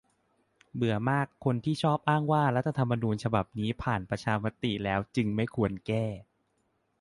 เบื่อมาก คนที่ชอบอ้างว่า รัฐธรรมนูญ ฉบับนี้ผ่านประชามติแล้ว จึงไม่ควรแก้